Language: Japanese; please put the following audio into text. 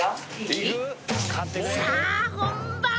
さぁ本番！